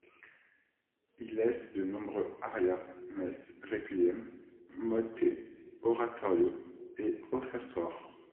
Il laisse de nombreux arias, messes, requiems, motets, oratorios et offertoires.